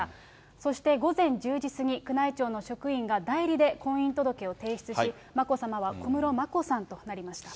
そして、午前１０時過ぎ、宮内庁の職員が代理で婚姻届を提出し、眞子さまは小室眞子さんとなりました。